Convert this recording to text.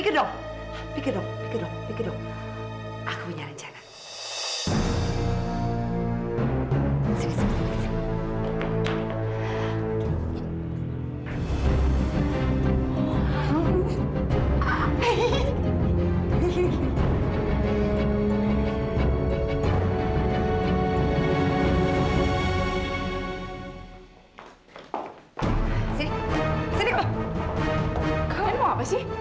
kau mau apa sih